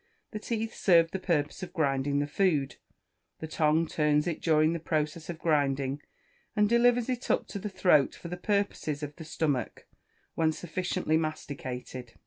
The teeth serve the purpose of grinding the food, the tongue turns it during the process of grinding, and delivers it up to the throat for the purposes of the stomach, when sufficiently masticated.